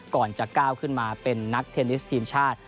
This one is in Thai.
ก่อนจะก้าวขึ้นมาเป็นนักเทนนิสทีมชาติ